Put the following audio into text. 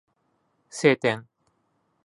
晴天